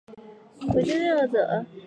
回京任谒者。